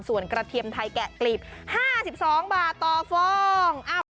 ส่วนกระเทียมไทยแกะกลีบ๕๒บาทต่อฟอง